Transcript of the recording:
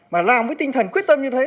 mà làm với tinh thần quyết tâm như thế